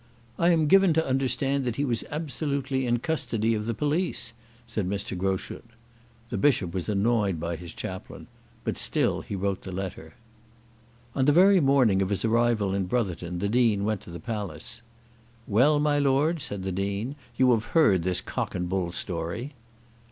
"I am given to understand that he was absolutely in custody of the police," said Mr. Groschut. The Bishop was annoyed by his chaplain; but still he wrote the letter. On the very morning of his arrival in Brotherton the Dean went to the palace. "Well, my lord," said the Dean, "you have heard this cock and bull story."